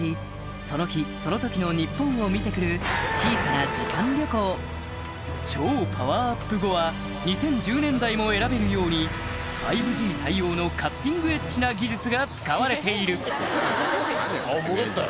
その日その時の日本を見て来る小さな時間旅行超パワーアップ後は２０１０年代も選べるように５Ｇ対応のカッティングエッジな技術が使われているあっ戻ったよ。